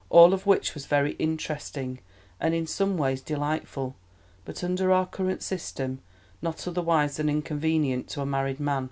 All of which was very interesting, and in some ways delightful, but under our current system not otherwise than inconvenient to a married man.